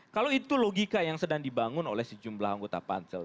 kalau itu logika yang sedang dibangun oleh sejumlah anggota pansel